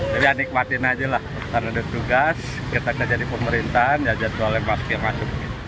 jadi ya nikmatin aja lah karena ditugas kita jadi pemerintahan ya jadwalnya masker masuk